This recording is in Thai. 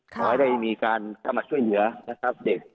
เพื่อไม่ได้ข้ามาช่วยเหลือเด็ก